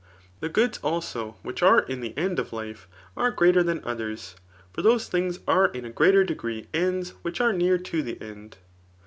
The goods, also, which are in the end of life [are greater diam others;] for those things are. in a greats degree ends wliich are near to the end.